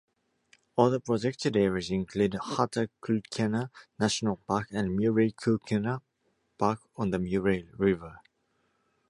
Other protected areas include Hattah-Kulkyne National Park and Murray-Kulkyne Park on the Murray River.